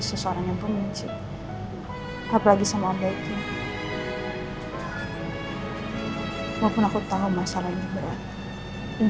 orang yang pencipt apalagi sama baiknya walaupun aku tahu masalahnya berat ini